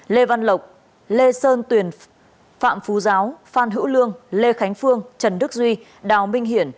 lê văn lộc lê sơn tuyền phạm phú giáo phan hữu lương lê khánh phương trần đức duy đào minh hiển